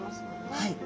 はい。